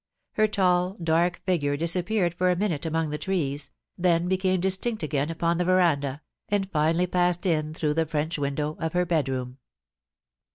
Her tall, dark figure disappeared for a minute among the trees, then became distinct again upon the veranda, and finally passed in through the French window of her bedroom.